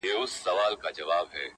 هر یو چي هرچیري اوسیدلي دی